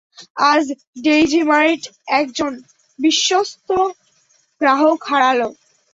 আজ Daisy Mart একজন বিশ্বত গ্রাহক হারাল।